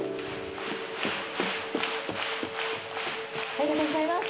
ありがとうございます。